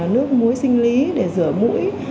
nước muối sinh lý để rửa mũi